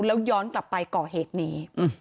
แล้วย้อนกลับไปก่อเหตุนี้